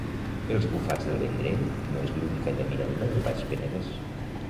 Els bufats del Vendrell no és l'única llaminadura del Baix Penedès